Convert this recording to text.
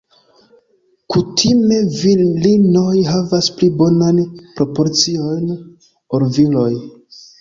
Kutime virinoj havas pli bonan proporcion ol viroj.